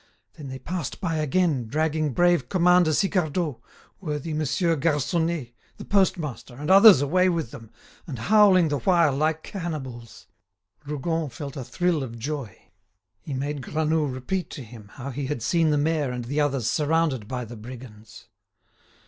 Then they passed by again, dragging brave Commander Sicardot, worthy Monsieur Garconnet, the postmaster, and others away with them, and howling the while like cannibals!" Rougon felt a thrill of joy. He made Granoux repeat to him how he had seen the mayor and the others surrounded by the "brigands."